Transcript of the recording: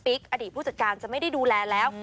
อดีตผู้จัดการจะไม่ได้ดูแลแล้ว